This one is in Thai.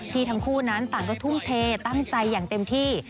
ทั้งคู่นั้นต่างก็ทุ่มเทตั้งใจอย่างเต็มที่